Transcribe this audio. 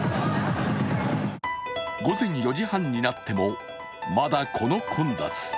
午前４時半になっても、まだ、この混雑。